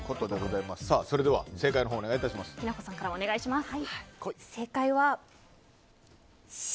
それでは、正解をお願いします。